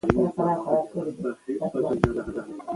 طبیعي زېرمې د انساني ژوند د اړتیاوو پوره کولو بنسټ دي.